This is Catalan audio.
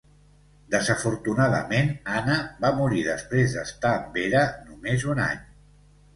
Desafortunadament Anna va morir després d'estar amb Vera només un any.